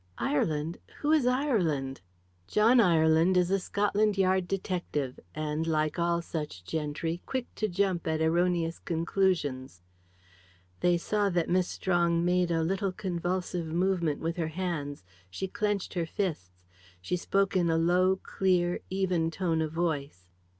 "Ireland? Who is Ireland?" "John Ireland is a Scotland Yard detective, and, like all such gentry, quick to jump at erroneous conclusions." They saw that Miss Strong made a little convulsive movement with her hands. She clenched her fists. She spoke in a low, clear, even tone of voice.